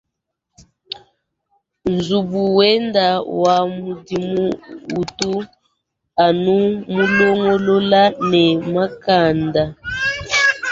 Nzubu wenda wa mudimu utu anu mulongolola ne mankenda.